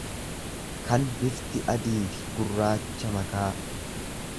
kan bifti adiifi gurraacha makaa.